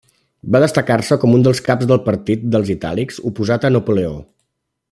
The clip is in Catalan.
Va destacar-se com un dels caps del partit dels itàlics oposat a Napoleó.